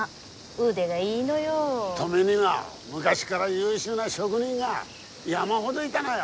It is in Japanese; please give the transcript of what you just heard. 登米には昔から優秀な職人が山ほどいだのよ。